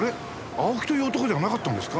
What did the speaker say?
青木という男ではなかったんですか？